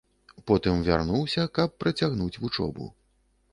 Потым вярнуўся, каб працягнуць вучобу.